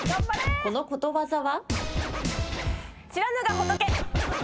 このことわざは？